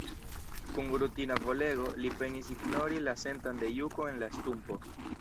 Kun rutina volego, li penis ignori la senton de juko en la stumpo.